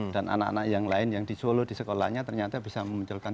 dan anak anak yang lain yang di solo di sekolahnya ternyata bisa memunculkan